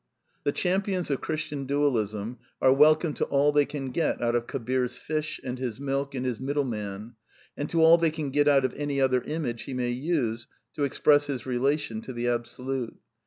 The champions of Christian Dualism are welcome to all they can get out of Kabir's fish, and his milk, and his mid dleman ; and to all they can get out of any other image he may use to express his relation to the Absolute.